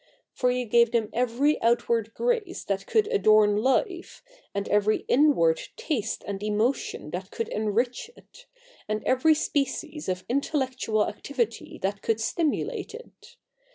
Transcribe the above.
For you gave them every outward grace that could adorn life, and every inward taste and emotion that could enrich it, and every species of intellectual activity that could stimulate it.